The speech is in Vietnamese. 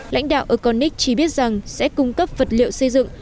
lãnh đạo oconix chỉ biết rằng sẽ cung cấp vật liệu xây dựng